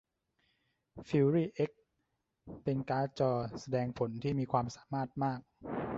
ฟิวรี่เอ็กซ์เป็นการ์ดจอแสดงผลที่มีความสามารถมาก